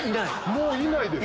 もういないです！